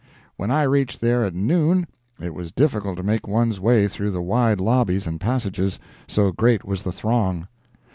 When I reached there at noon, it was difficult to make one's way through the wide lobbies and passages, so great was the throng.